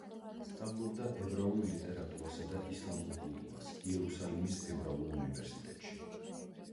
სწავლობდა ებრაულ ლიტერატურასა და ისლამურ კულტურას იერუსალიმის ებრაულ უნივერსიტეტში.